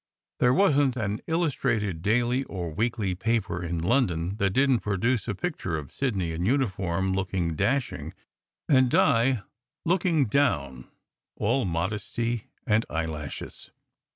There wasn t an illustrated daily or weekly paper in London that didn t produce a picture of Sidney in uniform, looking dashing, and Di looking down, all modesty and eyelashes.